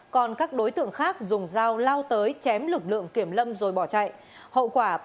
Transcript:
còn các đối tượng khác dùng dao lao tới chém lực lượng kiểm lâm rồi bỏ chạy hậu quả